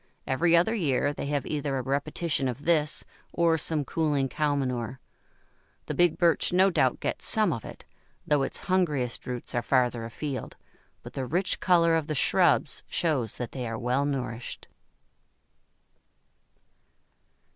Every other year they have either a repetition of this or some cooling cow manure. The big Birch no doubt gets some of it, though its hungriest roots are farther afield, but the rich colour of the shrubs shows that they are well nourished.